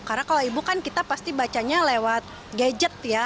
karena kalau e book kan kita pasti bacanya lewat gadget ya